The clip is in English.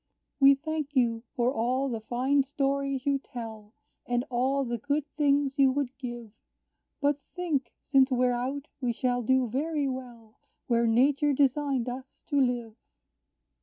"We thank you for all the fine stories you tell, And all the good things you would give; But think, since we're out, we shall do very well Where nature designed us to live.